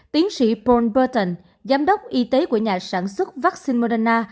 tiến sĩ paul burton giám đốc y tế của nhà sản xuất vaccine moderna